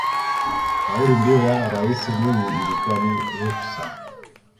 kauli mbiu ya rais mwinyi ilikuwa ni ruksa